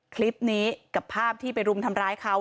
คลิปนี้กับภาพที่ไปรุมทำร้ายเขา